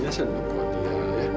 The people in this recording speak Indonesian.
iya seneng banget ya